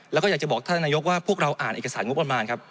แล้วก็อยากจะบอกท่านนายกว่าพวกเราอ่านเอกสารงบประมาณครับ